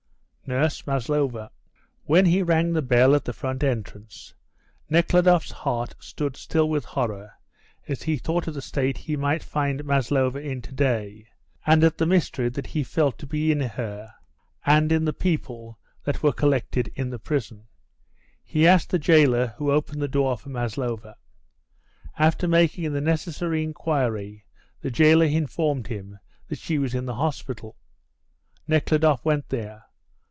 NURSE MASLOVA. When he rang the bell at the front entrance Nekhludoff's heart stood still with horror as he thought of the state he might find Maslova in to day, and at the mystery that he felt to be in her and in the people that were collected in the prison. He asked the jailer who opened the door for Maslova. After making the necessary inquiry the jailer informed him that she was in the hospital. Nekhludoff went there.